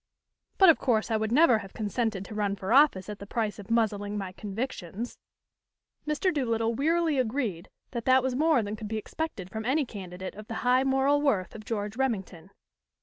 "But of course I would never have consented to run for office at the price of muzzling my convictions." Mr. Doolittle wearily agreed that that was more than could be expected from any candidate of the high moral worth of George Remington.